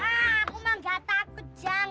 aku mah nggak takut jang